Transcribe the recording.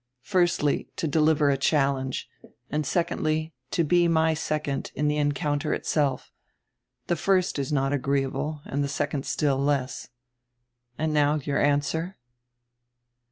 Firstly, to deliver a challenge, and, secondly, to be my second in die encounter itself. The first is not agree able and die second still less. And now your answer?"